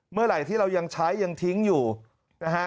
เมื่อไหร่ที่เรายังใช้ยังทิ้งอยู่นะฮะ